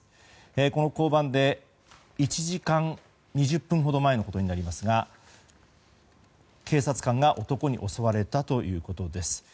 この交番で１時間２０分ほど前のことになりますが警察官が男に襲われたということです。